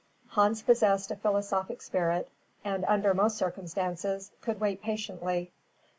Hans possessed a philosophic spirit, and, under most circumstances, could wait patiently.